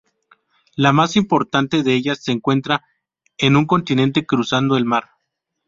La más importante de ellas se encuentra en un continente, cruzando el mar.